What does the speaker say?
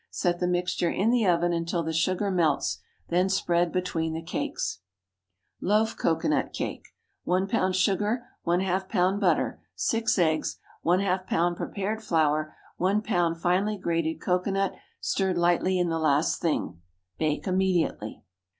Set the mixture in the oven until the sugar melts; then spread between the cakes. LOAF COCOANUT CAKE. 1 lb. sugar. ½ lb. butter. 6 eggs. ½ lb. prepared flour. 1 lb. finely grated cocoanut, stirred lightly in the last thing. Bake immediately.